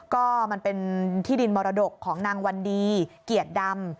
ก็มันเป็นที่ดินมรดกของนางวันดีเกียรติดำ